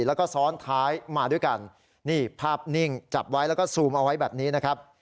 แล้วก็ซ้อนท้ายมาด้วยกันนี่ภาพนิ่งจับไว้แล้วก็ซูมเอาไว้แบบนี้นะครับ